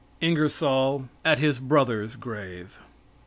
INGERSOLL AT HIS BROTHER'S GRAVE.